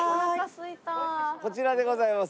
こちらでございます。